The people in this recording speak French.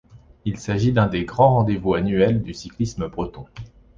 Il s'agit d'un des grands rendez-vous annuels du cyclisme breton.